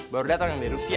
baru dateng yang dari rusia